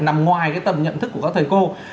nằm ngoài cái tầm nhận thức của các thầy cô